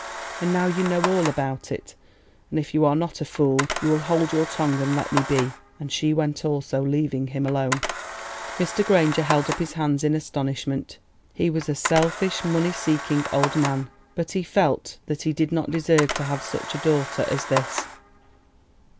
And now you know all about it; and if you are not a fool, you will hold your tongue and let me be!" and she went also, leaving him alone. Mr. Granger held up his hands in astonishment. He was a selfish, money seeking old man, but he felt that he did not deserve to have such a daughter as this.